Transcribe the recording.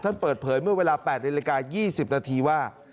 เปิดเผยเมื่อเวลา๘นาฬิกา๒๐นาทีว่า